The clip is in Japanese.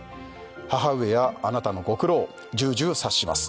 「母上やあなたのご苦労重々察します」